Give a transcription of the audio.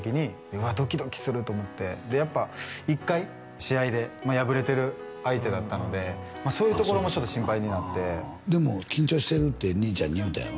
わっドキドキすると思ってでやっぱ一回試合で敗れてる相手だったのでそういうところもちょっと心配になってでも「緊張してる」って兄ちゃんに言うたんやろ？